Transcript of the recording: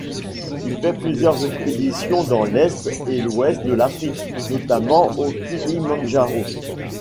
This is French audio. Il fait plusieurs expéditions dans l’est et l’ouest de l’Afrique, notamment au Kilimandjaro.